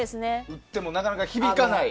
言ってもなかなか響かない。